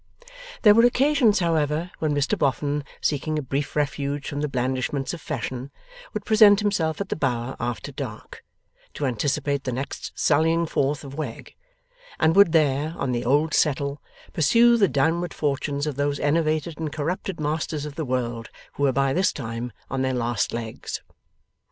There were occasions, however, when Mr Boffin, seeking a brief refuge from the blandishments of fashion, would present himself at the Bower after dark, to anticipate the next sallying forth of Wegg, and would there, on the old settle, pursue the downward fortunes of those enervated and corrupted masters of the world who were by this time on their last legs.